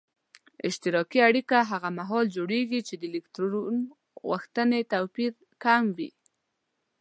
اشتراکي اړیکه هغه محال جوړیږي چې د الکترون غوښتنې توپیر کم وي.